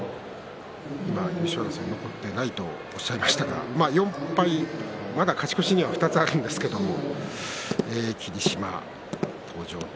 今、優勝争いに残っていないとおっしゃいましたが４敗、まだ勝ち越しには２つあるんですけれども霧島登場。